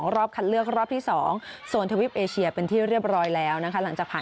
รอบคัดเลือกรอบที่๒โซนทวิปเอเชียเป็นที่เรียบร้อยแล้วนะคะหลังจากผ่าน